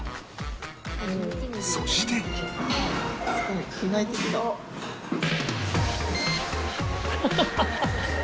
そしてハハハハ！